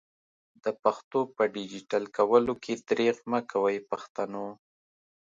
د پښتو په ډيجيټل کولو کي درېغ مکوئ پښتنو!